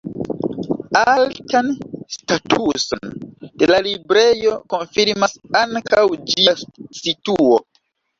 Altan statuson de la librejo konfirmas ankaŭ ĝia situo.